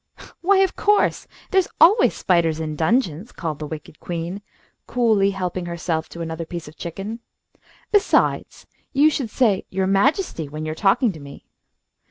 "Why, of course! There's always spiders in dungeons," called the wicked queen, coolly helping herself to another piece of chicken. "Besides, you should say 'your Majesty' when you are talking to me."